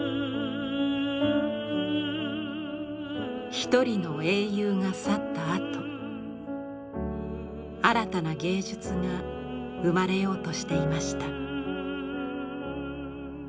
一人の英雄が去ったあと新たな芸術が生まれようとしていました。